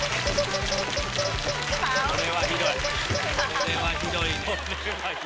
これはひどい。